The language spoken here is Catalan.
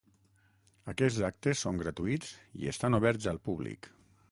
Aquests actes són gratuïts i estan oberts al públic.